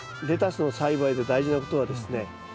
レタスの栽培で大事なことはですね